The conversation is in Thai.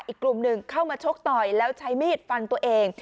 อีกกลุ่มหนึ่งเข้ามาชกต่อยแล้วใช้มีดฟันตัวเอง